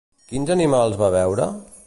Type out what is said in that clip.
Quins animals va veure?